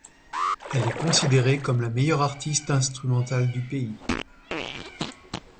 Elle est considérée comme la meilleure artiste instrumentale du pays.